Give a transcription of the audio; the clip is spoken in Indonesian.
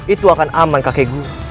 itu akan aman kakek guru